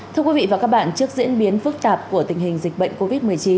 thưa quý vị và các bạn trước diễn biến phức tạp của tình hình dịch bệnh covid một mươi chín